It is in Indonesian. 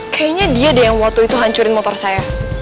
kayaknya dia deh yang waktu itu hancurin motornya